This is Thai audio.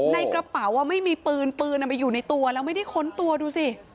ในกระเป๋าไม่มีปืนปืนมาอยู่ในตัวแล้วไม่ได้ค้นตัวดูสิ